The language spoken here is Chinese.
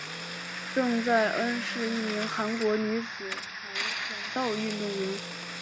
郑在恩是一名韩国女子跆拳道运动员。